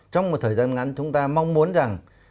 trong một thời gian ngắn chúng ta mong muốn rằng